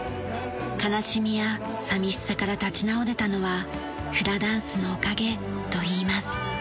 悲しみや寂しさから立ち直れたのはフラダンスのおかげといいます。